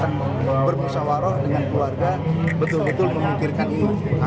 dan berlebatan dengan orang orang semuanya